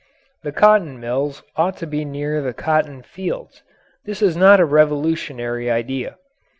The cotton mills ought to be near the cotton fields. This is not a revolutionary idea.